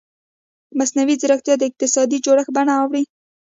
مصنوعي ځیرکتیا د اقتصادي جوړښتونو بڼه اړوي.